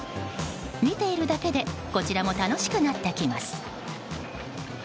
見ているだけでこちらも楽しくなってきます。